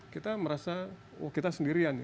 kita merasa kita sendirian ya